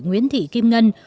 nguyễn thị kim ngân